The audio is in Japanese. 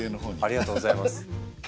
ありがとうございます。